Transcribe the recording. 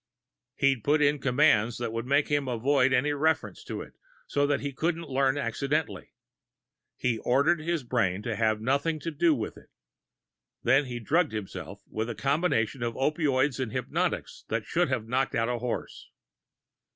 He'd put in commands that would make him avoid any reference to it, so that he couldn't learn accidentally. He'd ordered his brain to have nothing to do with it. Then he'd drugged himself with a combination of opiates and hypnotics that should have knocked out a horse.